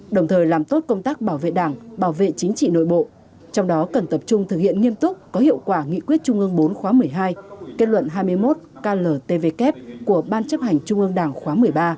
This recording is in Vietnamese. đồng thời làm tốt công tác bảo vệ đảng bảo vệ chính trị nội bộ trong đó cần tập trung thực hiện nghiêm túc có hiệu quả nghị quyết trung ương bốn khóa một mươi hai kết luận hai mươi một kltvk của ban chấp hành trung ương đảng khóa một mươi ba